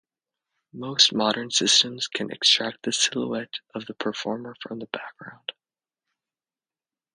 Most modern systems can extract the silhouette of the performer from the background.